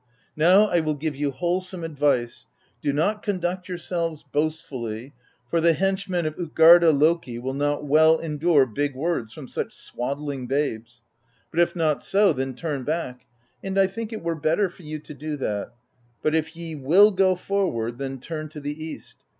Now I will give you wholesome advice: do not conduct yourselves boastfully, for the henchmen of tJtgarda Loki will not well endure big words from such swaddling babes. But if not so, then turn back, and I think it were better for you to do that; but if ye will go forward, then turn to the east.